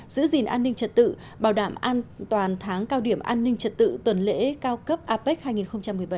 giữ gìn an ninh trật tự bảo đảm an toàn tháng cao điểm an ninh trật tự tuần lễ cao cấp apec hai nghìn một mươi bảy